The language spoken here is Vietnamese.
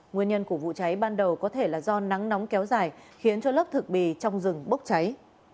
nguyên nhân của vụ cháy ban đầu có thể là do nắng nóng kéo dài khiến cho lớp thực bì trong rừng bốc cháy